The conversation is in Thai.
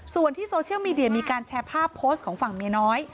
ส่วนที่โซเชียลมีเดียมีการแชร์ภาพโพสต์ของฝั่งเมียน้อย